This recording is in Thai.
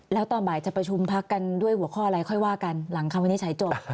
แล้วตอนบ่ายจะประชุมพักกันด้วยหัวข้ออะไรค่อยว่ากันหลังคำวินิจฉัยจบ